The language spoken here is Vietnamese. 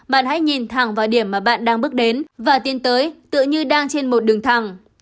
bạn hãy nhìn thẳng vào điểm mà bạn đang bước đến và tiến tới tự như đang trên một đường thẳng